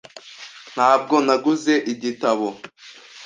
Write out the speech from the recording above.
Ntabwo naguze igitabo .